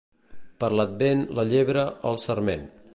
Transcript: Per l'Advent la llebre al sarment.